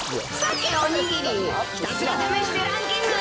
サケおにぎりひたすら試してランキング。